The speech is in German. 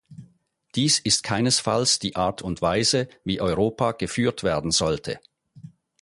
Dies ist keinesfalls die Art und Weise, wie Europa geführt werden sollte.